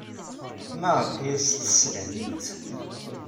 Maɣef ay as-teslam i nettat?